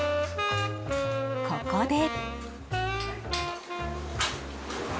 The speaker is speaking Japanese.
ここで。